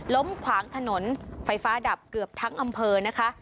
ขวางถนนไฟฟ้าดับเกือบทั้งอำเภอนะคะ